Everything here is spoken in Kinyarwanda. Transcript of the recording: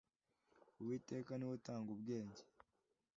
uwiteka ni we utanga ubwenge,